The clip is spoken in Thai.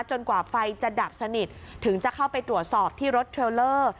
กว่าไฟจะดับสนิทถึงจะเข้าไปตรวจสอบที่รถเทรลเลอร์